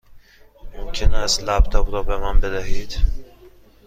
ممکن است لپ تاپ را به من بدهید؟